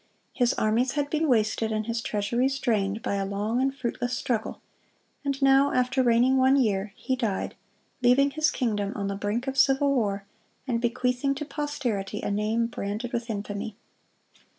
His armies had been wasted and his treasuries drained by a long and fruitless struggle; and now, after reigning one year, he died, leaving his kingdom on the brink of civil war, and bequeathing to posterity a name branded with infamy.